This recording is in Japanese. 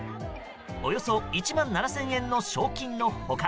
およそ１万７０００円の賞金の他